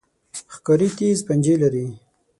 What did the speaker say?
ښکاري تیز پنجې لري.